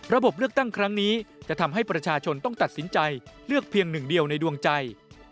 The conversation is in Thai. เลือกตั้งครั้งนี้จะทำให้ประชาชนต้องตัดสินใจเลือกเพียงหนึ่งเดียวในดวงใจ